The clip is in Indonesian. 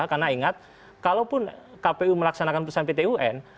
karena ingat kalaupun kpu melaksanakan putusan ptun